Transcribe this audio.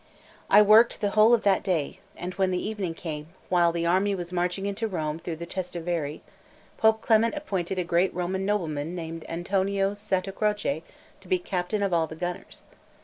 I worked hard the whole of that day; and when the evening came, while the army was marching into Rome through the Trastevere, Pope Clement appointed a great Roman nobleman named Antonio Santacroce to be captain of all the gunners.